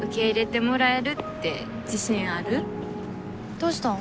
どうしたん？